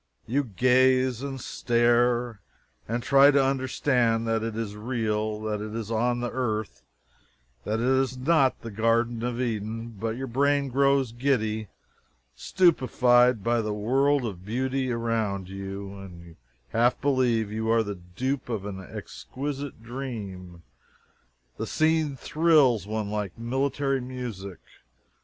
You gaze and stare and try to understand that it is real, that it is on the earth, that it is not the Garden of Eden but your brain grows giddy, stupefied by the world of beauty around you, and you half believe you are the dupe of an exquisite dream. The scene thrills one like military music!